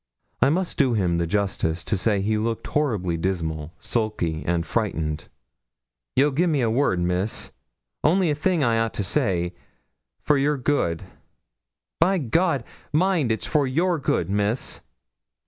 I must do him the justice to say he looked horribly dismal, sulky, and frightened. 'Ye'll gi'e me a word, Miss only a thing I ought to say for your good; by , mind, it's for your good, Miss.'